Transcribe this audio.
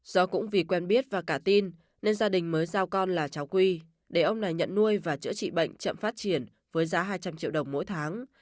do cũng vì quen biết và cả tin nên gia đình mới giao con là cháu quy để ông này nhận nuôi và chữa trị bệnh chậm phát triển với giá hai trăm linh triệu đồng mỗi tháng